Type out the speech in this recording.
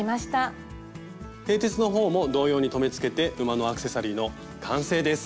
てい鉄の方も同様に留めつけて馬のアクセサリーの完成です！